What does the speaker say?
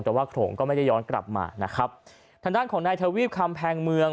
แต่ว่าโขลงก็ไม่ได้ย้อนกลับมานะครับทางด้านของนายทวีปคำแพงเมือง